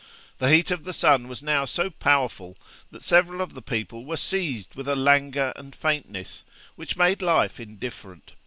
The heat of the sun was now so powerful, that several of the people were seized with a languor and faintness, which made life indifferent.